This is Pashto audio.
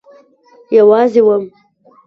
یوازی وم